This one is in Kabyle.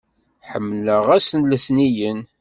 Ḥemmleɣ ass n letniyen!